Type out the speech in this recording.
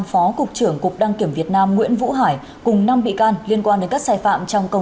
phó cục trưởng cục đăng kiểm việt nam nguyễn vũ hải cùng năm bị can liên quan đến các sai phạm trong công